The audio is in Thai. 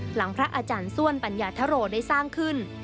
พระอาจารย์ส้วนปัญญาธโรได้สร้างขึ้น